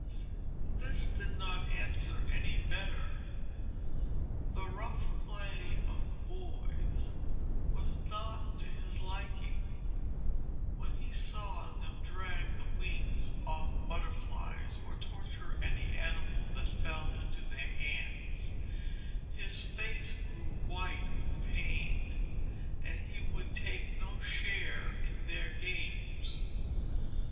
This did not answer any better. The rough play of the boys was not to his liking. When he saw them drag the wings off butterflies, or torture any animal that fell into their hands, his face grew white with pain, and he would take no share in their games.